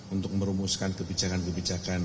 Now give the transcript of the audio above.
untuk merumuskan kebijakan kebijakan